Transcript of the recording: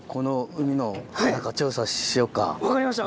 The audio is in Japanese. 分かりました！